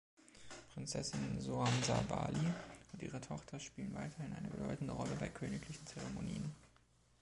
Prinzessin Soamsawali und ihre Tochter spielen weiterhin eine bedeutende Rolle bei königlichen Zeremonien.